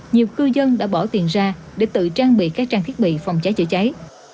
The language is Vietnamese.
nhiều cư dân đã bỏ tiền ra để tự trang bị các trang thiết bị phòng cháy chữa cháy